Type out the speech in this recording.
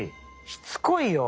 しつこいよ！